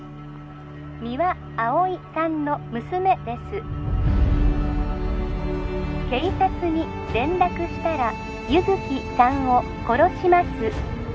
☎三輪碧さんの娘です☎警察に連絡したら☎優月さんを殺します